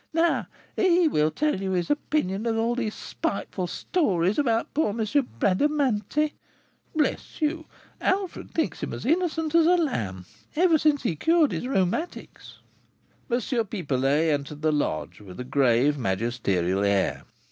"Now he will tell you his opinion of all these spiteful stories about poor M. Bradamanti. Bless you! Alfred thinks him as innocent as a lamb, ever since he cured his rheumatics." M. Pipelet entered the lodge with a grave, magisterial air.